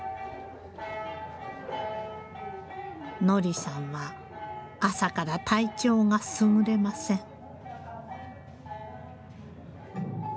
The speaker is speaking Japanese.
乃莉さんは朝から体調がすぐれません。